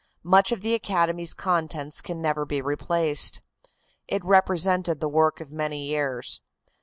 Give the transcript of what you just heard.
Much of the academy's contents can never be replaced. It represented the work of many years.